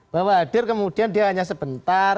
bahwa hadir kemudian dia hanya sebentar